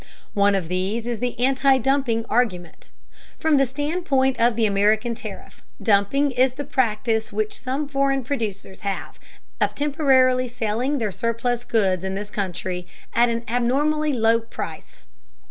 One of these is the anti dumping argument. From the standpoint of the American tariff, dumping is the practice which some foreign producers have of temporarily selling their surplus goods in this country at an abnormally low price.